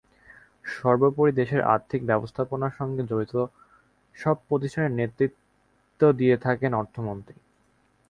সর্বোপরি দেশের আর্থিক ব্যবস্থাপনার সঙ্গে জড়িত সব প্রতিষ্ঠানের নেতৃত্ব দিয়ে থাকেন অর্থমন্ত্রী।